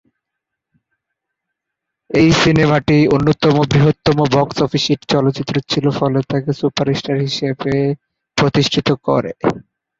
এই সিনেমাটি অন্যতম বৃহত্তম বক্স অফিস হিট চলচ্চিত্র ছিল ফলে তাকে সুপারস্টার হিসেবে প্রতিষ্ঠিত করে।